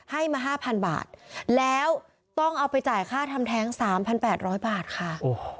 ให้มา๕๐๐บาทแล้วต้องเอาไปจ่ายค่าทำแท้ง๓๘๐๐บาทค่ะ